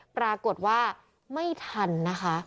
ปรากฏว่าไม่ทันนะคะ